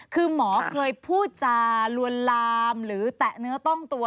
คือหมอเคยพูดจาลวนลามหรือแตะเนื้อต้องตัว